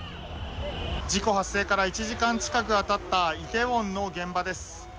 事故発生から１時間近くが経ったイテウォンの現場です。